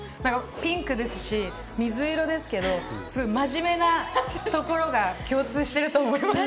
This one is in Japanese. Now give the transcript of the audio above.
ピンクですし、水色ですけど、すごい真面目なところが共通してると思います。